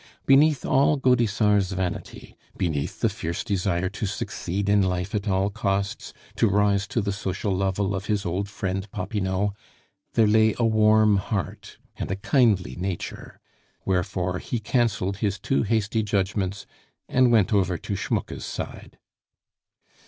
Beneath all Gaudissart's vanity, beneath the fierce desire to succeed in life at all costs, to rise to the social level of his old friend Popinot, there lay a warm heart and a kindly nature. Wherefore he canceled his too hasty judgments and went over to Schmucke's side.